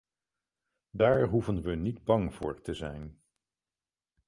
Daar hoeven we niet bang voor te zijn.